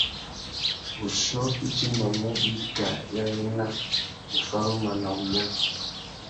Wuchiô i timbamú wikā ya wena, wuffaruma na wunya.